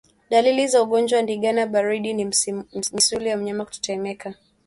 Dalili za ugonjwa wa ndigana baridi ni misuli ya mnyama kutetemeka